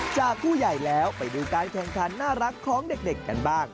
จากผู้ใหญ่แล้วไปดูการแข่งขันน่ารักของเด็กกันบ้าง